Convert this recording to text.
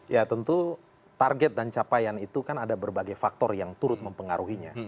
ya tentu target dan capaian itu kan ada berbagai faktor yang turut mempengaruhinya